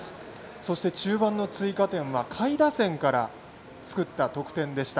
そして、中盤の追加点は下位打線から作った得点でした。